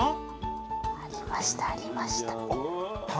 ありましたありました。